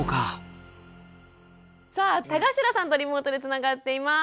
さあ田頭さんとリモートでつながっています。